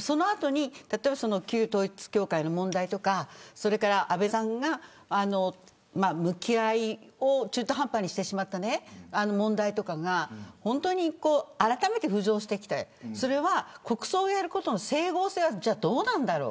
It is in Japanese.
その後に、例えば旧統一教会の問題や安倍さんが向き合いを中途半端にしてしまった問題とかがあらためて浮上してきてそれは国葬やることの整合性はどうなんだろう。